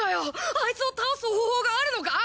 アイツを倒す方法があるのか？